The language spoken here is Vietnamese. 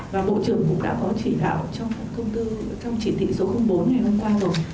và bộ trưởng cũng đã có chỉ đạo trong chỉ thị số bốn ngày hôm qua rồi